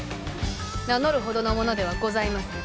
名乗るほどの者ではございません。